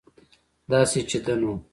داسې چې ده نو